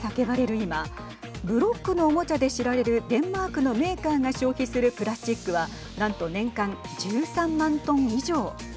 今ブロックのおもちゃで知られるデンマークのメーカーが消費するプラスチックはなんと年間１３万トン以上。